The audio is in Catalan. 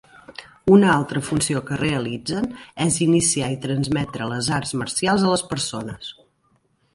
Una altra funció que realitzen és iniciar i transmetre les arts marcials a les persones.